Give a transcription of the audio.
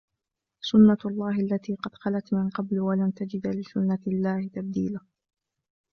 سُنَّةَ اللَّهِ الَّتِي قَدْ خَلَتْ مِنْ قَبْلُ وَلَنْ تَجِدَ لِسُنَّةِ اللَّهِ تَبْدِيلًا